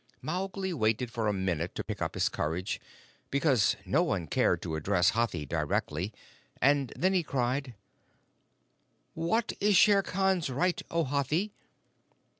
Mowgli waited for a minute to pick up his courage, because no one cared to address Hathi directly, and then he cried: "What is Shere Khan's right, O Hathi?"